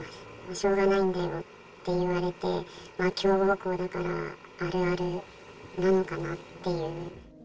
しょうがないんだよって言われて、強豪校だから、あるあるなのかなっていう。